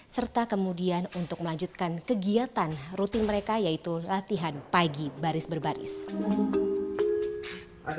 serta kemudian untuk melanjutkan kegiatan rutin mereka yaitu latihan pagi baris baris